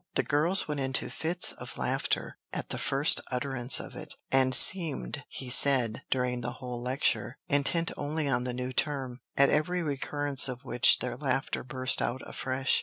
The girls went into fits of laughter at the first utterance of it, and seemed, he said, during the whole lecture, intent only on the new term, at every recurrence of which their laughter burst out afresh.